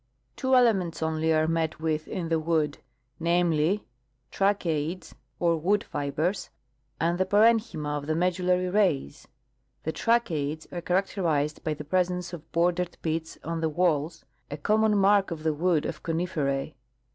* Two elements only are met Avith in the wood, namely, trache ides, or wood fibers, and the parenchyma of the medullary rays. The tracheides are characterized by the presence of bordered pits on their walls, a common mark of the wood of conifera:^.